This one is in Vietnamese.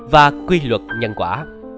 và quy luật nhân quả